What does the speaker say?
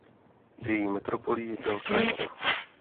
Její metropolí byl Krakov.